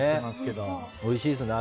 おいしいですよね